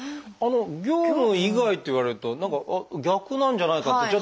「業務以外」って言われると何か逆なんじゃないかってちょっと。